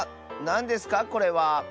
なんですかこれは？